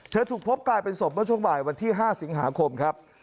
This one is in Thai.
ถูกพบกลายเป็นศพเมื่อช่วงบ่ายวันที่๕สิงหาคมครับ